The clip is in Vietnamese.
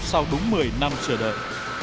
sau đúng một mươi năm chờ đợi